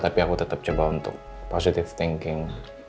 tapi aku tetap coba untuk positive thinking